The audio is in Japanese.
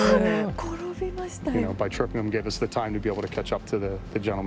転びましたよ。